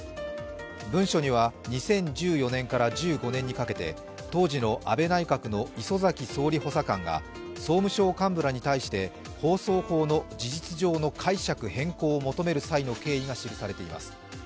文書には２０１４年から１５年にかけて当時の安倍内閣の礒崎総理補佐官が総務省幹部らに対して放送法の事実上の解釈変更を求める際の経緯が記されています。